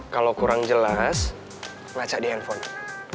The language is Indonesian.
kalau kurang jelas baca di handphonenya